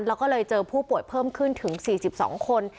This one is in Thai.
แล้วก็เลยเจอผู้ป่วยเพิ่มขึ้นถึง๔๒คน